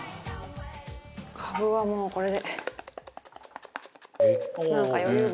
カブはもうこれで。